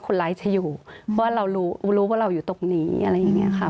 คนร้ายจะอยู่เพราะว่าเรารู้รู้ว่าเราอยู่ตรงนี้อะไรอย่างนี้ค่ะ